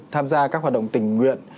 tham gia các hoạt động tình nguyện